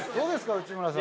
内村さん。